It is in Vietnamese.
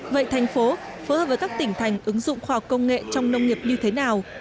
vậy thành phố phối hợp với các tỉnh thành ứng dụng khoa học công nghệ trong nông nghiệp như thế nào